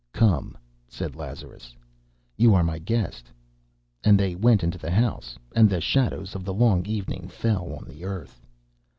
"Come," said Lazarus, "you are my guest." And they went into the house. And the shadows of the long evening fell on the earth...